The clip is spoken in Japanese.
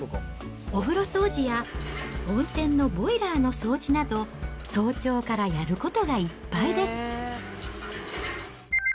お風呂掃除や、温泉のボイラーの掃除など、早朝からやることがいっぱいです。